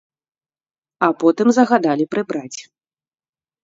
А потым загадалі прыбраць.